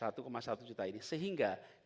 sehingga ketika terjadi lonjakan kelas